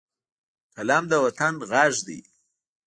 قلم د وطن غږ دی